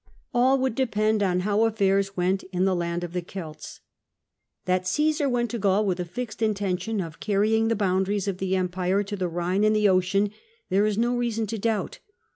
All would depend on how affairs went in the land of the Celts. That Cmsar wont to Gaul with a fixed intention of carry ing the boundaries of the empire to the Ehine and the Ocean there is no reason to doubt.